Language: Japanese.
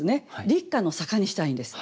「立夏の坂」にしたいんです。